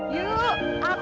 yuk aku mau makan